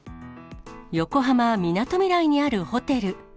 横浜・みなとみらいにあるホテル。